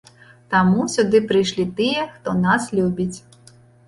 Таму сюды прыйшлі тыя, хто нас любіць.